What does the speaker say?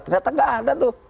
ternyata gak ada tuh